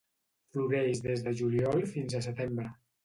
Floreix des de juliol fins a setembre.